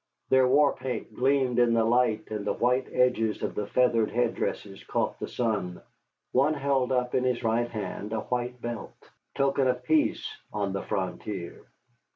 Their war paint gleamed in the light, and the white edges of the feathered head dresses caught the sun. One held up in his right hand a white belt, token of peace on the frontier.